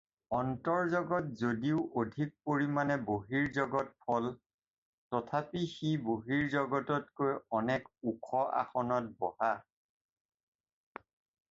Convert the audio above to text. অন্তৰ্জ্জগত যদিও অধিক পৰিমাণে বহিৰ্জ্জগত ফল, তথাপি সি বহিৰ্জ্জগততকৈ অনেক ওখ আসনত বহা।